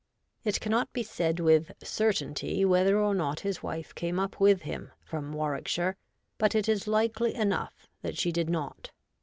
It cannot be said with certainty whether or not his wife came up with him from Warwickshire, but it is likely enough that she did not.